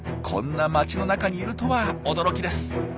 こんな街の中にいるとは驚きです。